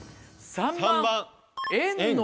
３番。